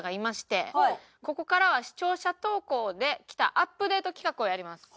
ここからは視聴者投稿で来たアップデート企画をやります。